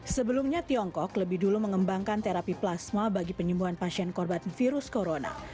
sebelumnya tiongkok lebih dulu mengembangkan terapi plasma bagi penyembuhan pasien korban virus corona